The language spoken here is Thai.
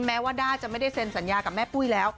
แม้ว่าด้าจะไม่ได้เซ็นสัญญากับแม่ปุ้ยแล้ว